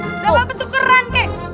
gak apa apa itu keren kak